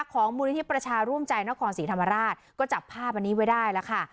ของมูลนิธิประชาร่วมใจนครศรีธรรมราชก็จับภาพอันนี้ไว้ได้แล้วค่ะ